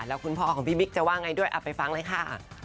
แล้วคุณพ่อของพี่บิ๊กจะว่าไงด้วยเอาไปฟังเลยค่ะ